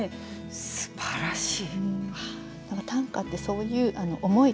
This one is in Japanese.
すばらしい。